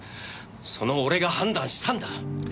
その俺が判断したんだ。